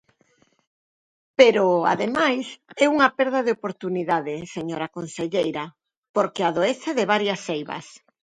Pero, ademais, é unha perda de oportunidade, señora conselleira, porque adoece de varias eivas.